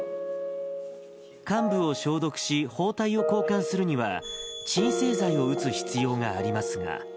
患部を消毒し、包帯を交換するには、鎮静剤を打つ必要があります